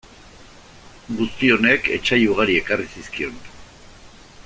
Guzti honek etsai ugari ekarri zizkion.